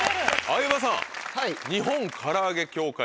相葉さん。